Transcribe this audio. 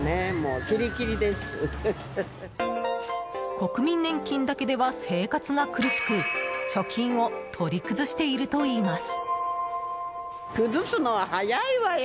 国民年金だけでは生活が苦しく貯金を取り崩しているといいます。